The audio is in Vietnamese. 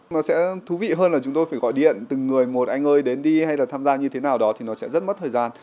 nó sẽ thú vị hơn là chúng tôi phải gọi điện từng người một anh ơi đến đi hay là tham gia như thế nào đó thì nó sẽ rất mất thời gian